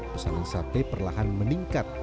pesanan sate perlahan meningkat